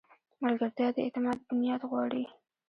ملګرتیا د اعتماد بنیاد غواړي.